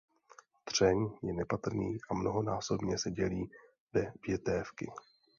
Třeň je nepatrný a mnohonásobně se dělí ve větévky.